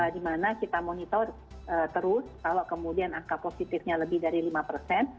dimana kita monitor terus kalau kemudian angka positifnya lebih dari lima persen